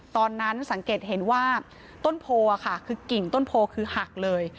ตอนนั้นสังเกตเห็นว่าต้นโพค่ะคือกิ่งต้นโพคือหักเลย